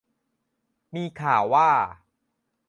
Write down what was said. มีข่าวว่า